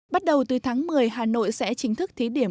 bắt đầu từ tháng một mươi hà nội sẽ chính thức thí điểm